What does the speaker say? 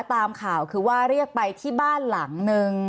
ตามข่าวคือว่าเรียกไปที่บ้านหลังนึง